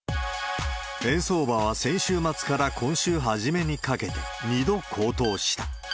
円相場は先週末から今週初めにかけて２度高騰した。